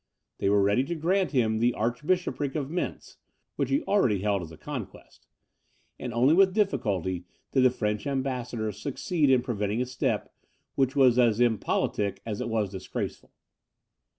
They were ready to grant him the archbishopric of Mentz, (which he already held as a conquest,) and only with difficulty did the French ambassador succeed in preventing a step, which was as impolitic as it was disgraceful.